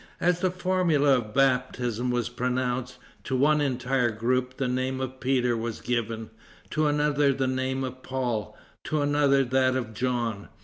As the formula of baptism was pronounced, to one entire group the name of Peter was given, to another the name of Paul, to another that of John.